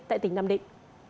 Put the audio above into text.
tại tỉnh năm định